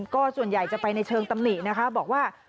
ก็ส่วนใหญ่จะไปในเชิงตำหนินะคะบอกว่า